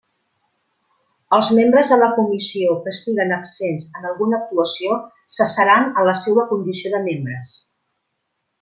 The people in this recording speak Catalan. Els membres de la comissió que estiguen absents en alguna actuació cessaran en la seua condició de membres.